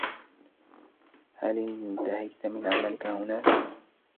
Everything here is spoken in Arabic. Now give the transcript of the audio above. هل انتهيت من عملك هناك